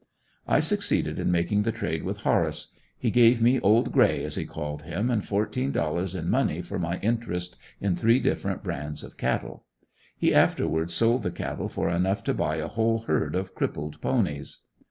I succeeded in making the trade with Horace; he gave me "old gray" as he called him and fourteen dollars in money for my interest in three different brands of cattle. He afterwards sold the cattle for enough to buy a whole herd of crippled ponies.